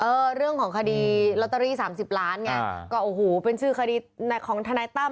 เรื่องของคดีลอตเตอรี่๓๐ล้านไงก็โอ้โหเป็นชื่อคดีของทนายตั้ม